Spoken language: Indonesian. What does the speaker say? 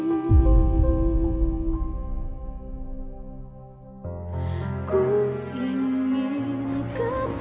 aku ingin kembali